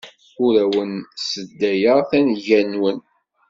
Ur awen-sseddayeɣ tanegga-nwen.